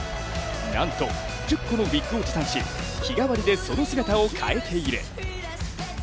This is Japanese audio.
なんと１０個のウイッグを持参し、日替わりでその姿を変えている。